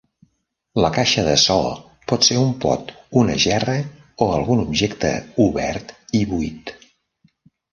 La caixa de so pot ser un pot, una gerra o algun objecte obert i buit.